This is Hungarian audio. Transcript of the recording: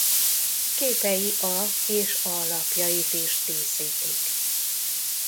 Képei a és a lapjait is díszítik.